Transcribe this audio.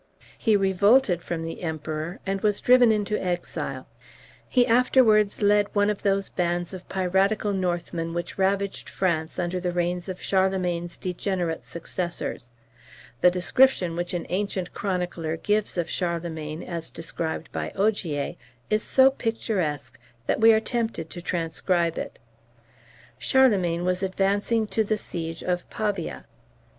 He revolted from the Emperor, and was driven into exile. He afterwards led one of those bands of piratical Northmen which ravaged France under the reigns of Charlemagne's degenerate successors. The description which an ancient chronicler gives of Charlemagne, as described by Ogier, is so picturesque, that we are tempted to transcribe it. Charlemagne was advancing to the siege of Pavia.